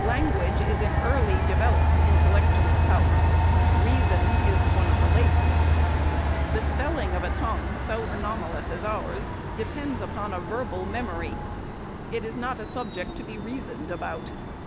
Language is an early developed intellectual power ;— reason is one of the latest. The spelling of a tongue, so anomalous as ours, depends upon a verbal memory. It is not a subject to be reasoned about.